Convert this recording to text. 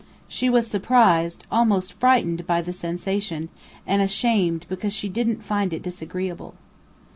She was surprised, almost frightened by the sensation, and ashamed because she didn't find it disagreeable.